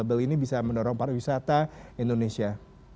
apa skema travel bubble ini bisa mendorong pariwisata indonesia